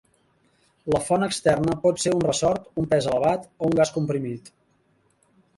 La font externa pot ser un ressort, un pes elevat, o un gas comprimit.